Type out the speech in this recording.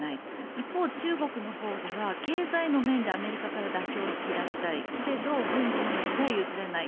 一方、中国のほうでは経済の面でアメリカから妥協を引き出したいけれどけれど軍事の面では譲れない。